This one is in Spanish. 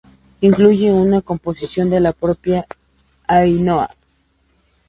Incluye una composición de la propia Ainhoa.